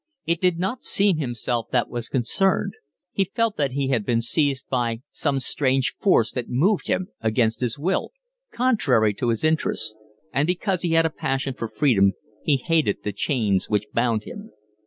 It did not seem himself that was concerned; he felt that he had been seized by some strange force that moved him against his will, contrary to his interests; and because he had a passion for freedom he hated the chains which bound him.